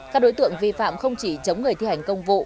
các đối tượng vi phạm không chỉ chống người thi hành công vụ